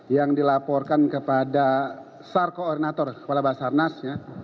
yang dilaporkan kepada sar koordinator kepala basarnas